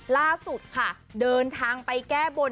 ล่าสุดค่ะเดินทางไปแก้บน